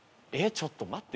ちょっと待って。